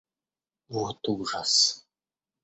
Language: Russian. Вот ужас!